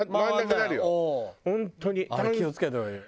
あれは気を付けた方がいい。